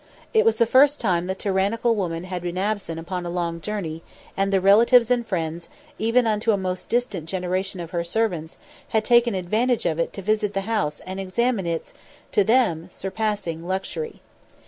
It was the first time the tyrannical woman had been absent upon a long journey, and the relatives and friends even unto a most distant generation of her servants had taken advantage of it to visit the house and examine its, to them, surpassing luxury.